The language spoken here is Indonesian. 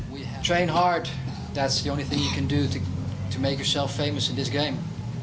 lihat berlatih keras itu saja yang bisa kamu lakukan untuk membuat diri kamu terkenal di pertandingan ini